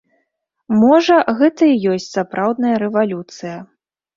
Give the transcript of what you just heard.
Можа, гэта і ёсць сапраўдная рэвалюцыя.